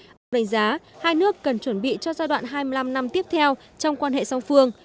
ông đánh giá hai nước cần chuẩn bị cho giai đoạn hai mươi năm năm tiếp theo trong quan hệ song phương